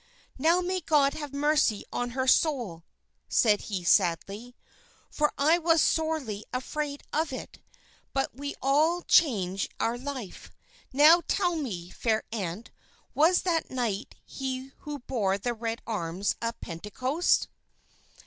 "Now may God have mercy on her soul," said he sadly, "for I was sorely afraid of it; but we must all change our life. Now, tell me, fair aunt, was that knight he who bore the red arms at Pentecost?"